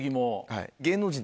はい。